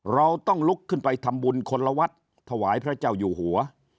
เราต้องลุกขึ้นไปทำบุญคนละวัดถวายพระเจ้าอยู่หัว